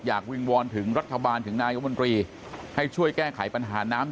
วิงวอนถึงรัฐบาลถึงนายกมนตรีให้ช่วยแก้ไขปัญหาน้ำ